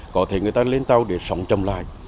có thể người ta lên tàu để sống chậm lại